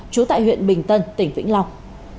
chú tại huyện bình tân tỉnh vĩnh long